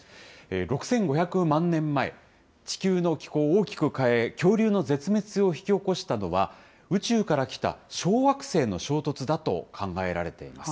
６５００万年前、地球の気候を大きく変え、恐竜の絶滅を引き起こしたのは、宇宙から来た小惑星の衝突だと考えられています。